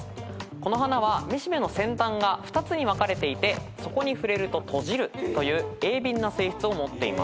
この花はめしべの先端が２つに分かれていてそこに触れると閉じるという鋭敏な性質を持っています。